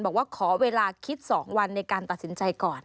บอกว่าขอเวลาคิด๒วันในการตัดสินใจก่อน